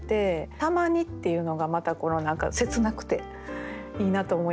「たまに」っていうのがまた何か切なくていいなと思います。